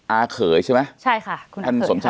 อาเขยใช่ไหม